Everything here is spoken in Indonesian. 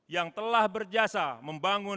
yang telah berjasa membangun